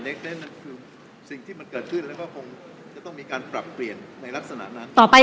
นั่นคือสิ่งที่มันเกิดขึ้นแล้วก็คงจะต้องมีการปรับเปลี่ยนในลักษณะนั้นต่อไป